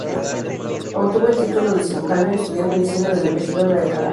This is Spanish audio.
Obtuvo el título de cirujano y estudió medicina en la Universidad de Alcalá.